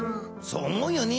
そう思うよね。